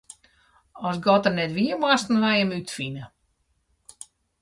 As God der net wie, moasten wy Him útfine.